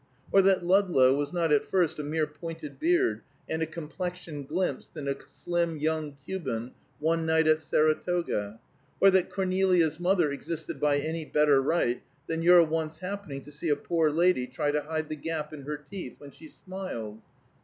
Or that Ludlow was not at first a mere pointed beard and a complexion glimpsed in a slim young Cuban one night at Saratoga? Or that Cornelia's mother existed by any better right than your once happening to see a poor lady try to hide the gap in her teeth when she smiled?